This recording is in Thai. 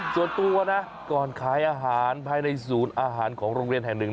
ส่วนตัวนะก่อนขายอาหารภายในศูนย์อาหารของโรงเรียนแห่งหนึ่ง